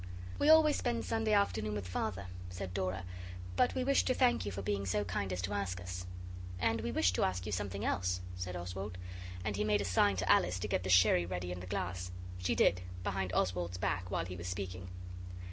'We always spend Sunday afternoon with Father,' said Dora; 'but we wished to thank you for being so kind as to ask us.' 'And we wished to ask you something else!' said Oswald; and he made a sign to Alice to get the sherry ready in the glass. She did behind Oswald's back while he was speaking.